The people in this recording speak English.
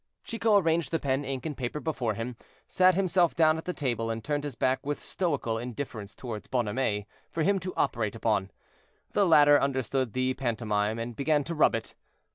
Chicot arranged the pen, ink, and paper before him, sat himself down at the table, and turned his back with stoical indifference toward Bonhomet for him to operate upon. The latter understood the pantomime, and began to rub it.